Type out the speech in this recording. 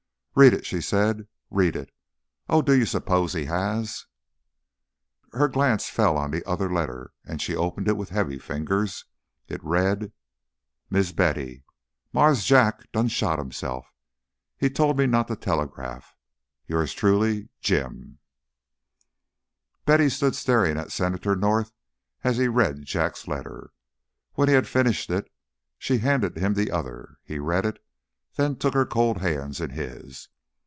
"Read it!" she said. "Read it! Oh, do you suppose he has " Her glance fell on the other letter and she opened it with heavy fingers. It read: Mis Betty, Marse Jack done shot himself. He tole me not to telegraf. Yours truly, JIM. Betty stood staring at Senator North as he read Jack's letter. When he had finished it, she handed him the other. He read it, then took her cold hands in his.